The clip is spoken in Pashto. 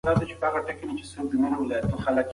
هغوی ولې ښار ته ځي؟